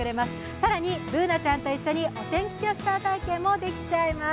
更にＢｏｏｎａちゃんも一緒にお天気キャスター体験もできちゃいます。